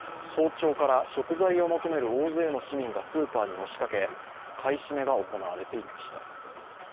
早朝から食材を求める大勢の市民がスーパーに押しかけ、買い占めが行われていました。